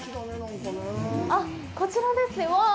あっ、こちらですね。